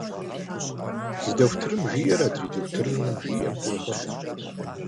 Зы дохутырым жиӏэр, адрей дохутырым жиӏэм техуэркъым.